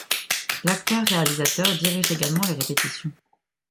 L'acteur-réalisateur dirige également les répétitions.